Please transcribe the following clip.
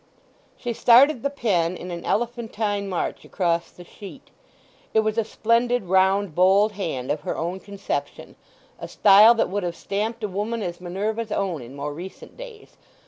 She started the pen in an elephantine march across the sheet. It was a splendid round, bold hand of her own conception, a style that would have stamped a woman as Minerva's own in more recent days.